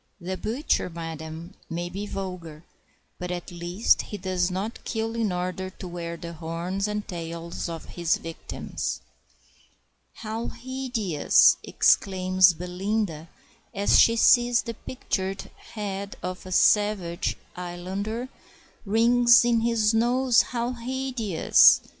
The butcher, madam, may be vulgar, but at least he does not kill in order to wear the horns and tails of his victims. "How hideous!" exclaims Belinda, as she sees the pictured head of the savage islander, "rings in his nose! how hideous!"